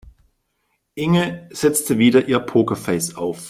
Inge setzte wieder ihr Pokerface auf.